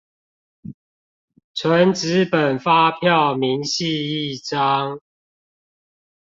純紙本發票明細一張